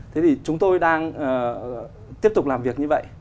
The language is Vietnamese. thế thì chúng tôi đang tiếp tục làm việc như vậy